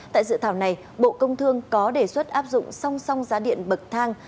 tại dự thảo này bộ công thương có đề xuất áp dụng song song giá điện bậc thang